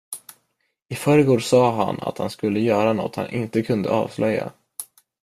I förrgår sa han att han skulle göra nåt han inte kunde avslöja.